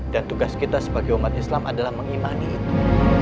dan tugas kita sebagai umat islam adalah mengimani itu